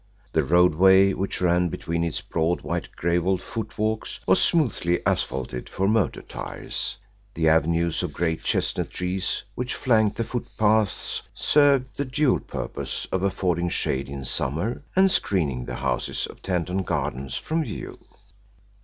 The roadway which ran between its broad white gravelled footwalks was smoothly asphalted for motor tyres; the avenues of great chestnut trees which flanked the footpaths served the dual purpose of affording shade in summer and screening the houses of Tanton Gardens from view.